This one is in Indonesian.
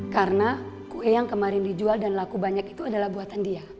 karena kue yang kemarin dijual dan laku banyak itu adalah buatan dia